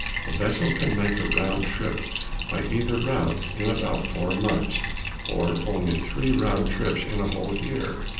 A vessel can make a round trip by either route in about four months, or only three round trips in a whole year.